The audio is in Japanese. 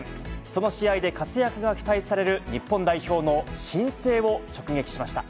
その試合で活躍が期待される、日本代表の新星を直撃しました。